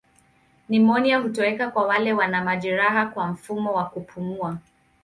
Nimonia hutokea kwa wale wana majeraha kwa mfumo wa kupumua.